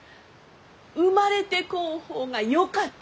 「生まれてこん方がよかった」